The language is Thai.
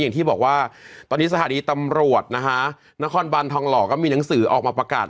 อย่างที่บอกว่าตอนนี้สถานีตำรวจนะฮะนครบันทองหล่อก็มีหนังสือออกมาประกาศ